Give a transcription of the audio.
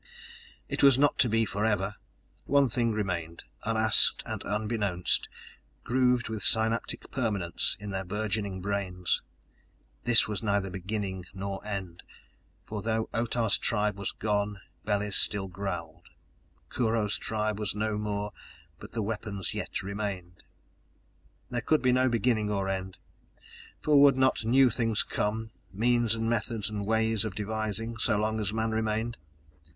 It was not to be forever! One thing remained, unasked and unbeknownst, grooved with synaptic permanence in their burgeoning brains. _This was neither beginning nor end: for though Otah's Tribe was gone, bellies still growled. Kurho's Tribe was no more, but the weapons yet remained._ _There could be no beginning or end for would not new things come, means and methods and ways of devising so long as man remained?